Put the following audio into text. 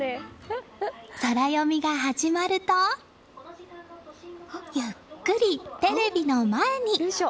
ソラよみが始まるとゆっくりテレビの前に。